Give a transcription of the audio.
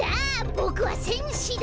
ボクはせんしだ！